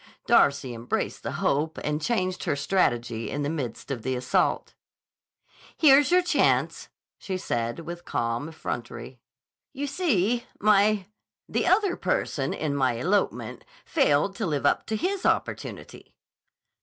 Darcy embraced the hope and changed her strategy in the midst of the assault. "Here's your chance," she said with calm effrontery. "You see, my—the other person in my elopement failed to live up to his opportunity."